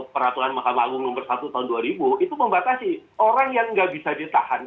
peraturan mahkamah agung nomor satu tahun dua ribu itu membatasi orang yang nggak bisa ditahan